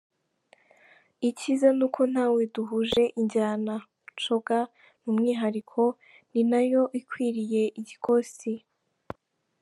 Icyiza ni uko ntawe duhuje injyana, ‘Coga’ ni umwihariko ni nayo ikwiriye igikosi”.